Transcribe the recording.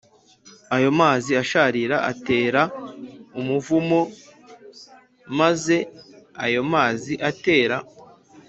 Ayo mazi asharira atera umuvumo j maze ayo mazi atera